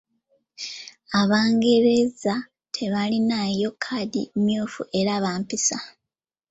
Abangereza tebalinaayo kkaadi mmyufu era bampisa.